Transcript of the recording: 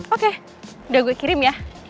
oke udah gue kirim ya